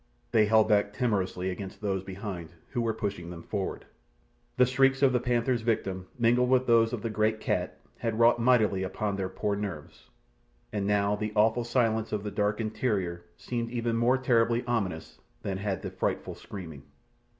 They held back timorously against those behind, who were pushing them forward. The shrieks of the panther's victim, mingled with those of the great cat, had wrought mightily upon their poor nerves, and now the awful silence of the dark interior seemed even more terribly ominous than had the frightful screaming.